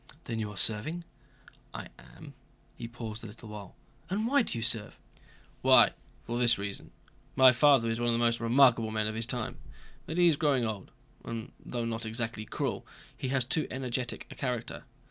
"Then you are serving?" "I am." He paused a little while. "And why do you serve?" "Why, for this reason! My father is one of the most remarkable men of his time. But he is growing old, and though not exactly cruel he has too energetic a character.